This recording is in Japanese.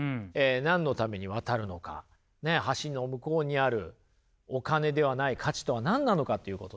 何のために渡るのか橋の向こうにあるお金ではない価値とは何なのかということになるわけですね。